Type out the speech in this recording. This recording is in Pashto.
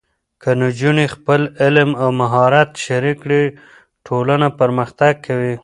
که نجونې خپل علم او مهارت شریک کړي، ټولنه پرمختګ کوي.